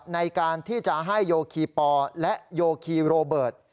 ในการที่จะให้โยคีปอและโยคีโรเบิร์ต